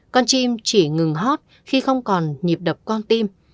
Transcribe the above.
con chim chỉ ngừng hot khi không còn nhịp đập con tim